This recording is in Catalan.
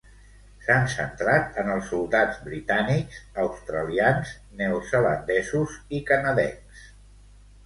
S'han centrat en els soldats britànics, australians, neozelandesos i canadencs.